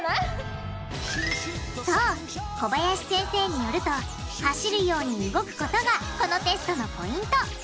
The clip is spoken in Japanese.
小林先生によると走るように動くことがこのテストのポイント。